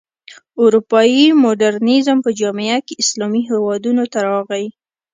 اروپايي مډرنیزم په جامه کې اسلامي هېوادونو ته راغی.